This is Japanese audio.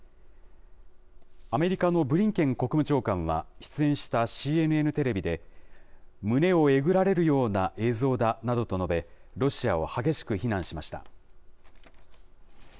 アメリカのブリンケン国務長官は、出演したＣＮＮテレビで、胸をえぐられるような映像だなどと述べ、ロシアを激しく非難しました。